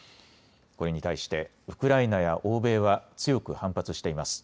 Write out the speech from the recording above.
これに対してウクライナや欧米は強く反発しています。